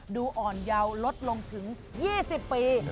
ดูอ่อนเยาว์ลดลงถึง๒๐ปี